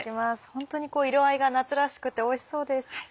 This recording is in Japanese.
ホントにこう色合いが夏らしくておいしそうです。